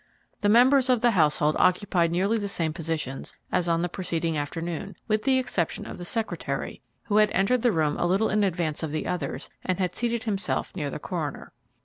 The members of the household occupied nearly the same positions as on the preceding afternoon, with the exception of the secretary, who had entered the room a little in advance of the others and had seated himself near the coroner.